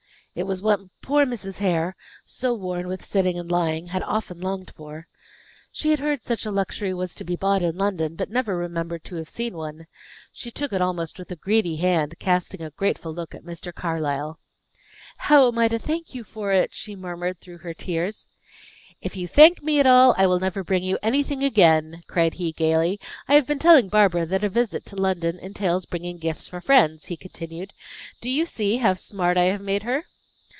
It was what poor Mrs. Hare, so worn with sitting and lying, had often longed for. She had heard such a luxury was to be bought in London, but never remembered to have seen one. She took it almost with a greedy hand, casting a grateful look at Mr. Carlyle. "How am I to thank you for it?" she murmured through her tears. "If you thank me at all, I will never bring you anything again," cried he, gaily. "I have been telling Barbara that a visit to London entails bringing gifts for friends," he continued. "Do you see how smart I have made her?"